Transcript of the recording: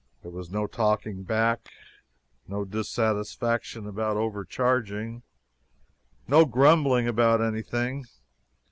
There was no "talking back," no dissatisfaction about overcharging, no grumbling about anything.